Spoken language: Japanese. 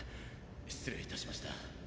失礼いたしました。